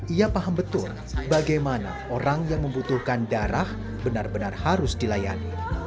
ia paham betul bagaimana orang yang membutuhkan darah benar benar harus dilayani